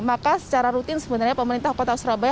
maka secara rutin sebenarnya pemerintah kota surabaya